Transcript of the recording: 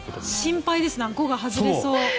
心配ですあごが外れそう。